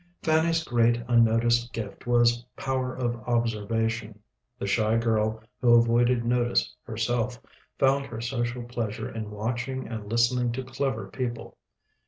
Fanny's great unnoticed gift was power of observation. The shy girl who avoided notice herself, found her social pleasure in watching and listening to clever people.